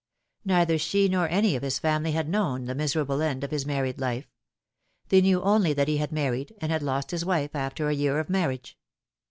Neither she nor any of his family had known the miserable end of his married life. They knew only that he had married, and had lost his wife after a year of marriage.